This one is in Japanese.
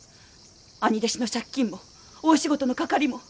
兄弟子の借金も大仕事の掛かりも。